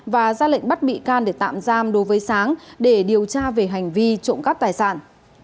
và ra lệnh bắt bị can để tạm giam đối với sáng để điều tra về hành vi trộm cắp tài sản